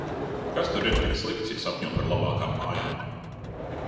Kas tur ir tik slikts, ja sapņo par labākām mājām?